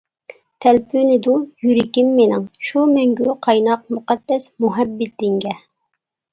تەلپۈنىدۇ يۈرىكىم مېنىڭ شۇ مەڭگۈ قايناق مۇقەددەس مۇھەببىتىڭگە!